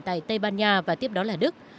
tại tây ban nha và tiếp đó là đức